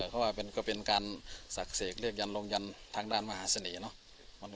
ก็เป็นการสักเสกเรียกยันลงยันทางด้านมหาศนีย์เนาะ